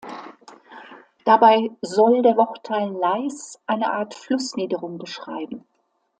Dabei soll der Wortteil „Leis“ eine Art Flussniederung beschreiben.